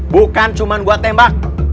bukan cuma gue tembak